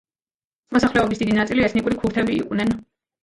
მოსახლეობის დიდი ნაწილი ეთნიკური ქურთები იყვნენ.